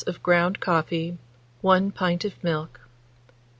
of ground coffee, 1 pint of milk.